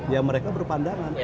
ya mereka berpandangan